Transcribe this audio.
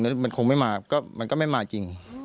แล้วมันคงไม่มาก็มันก็ไม่มาจริง